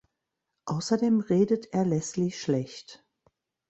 Außerdem redet er Leslie schlecht.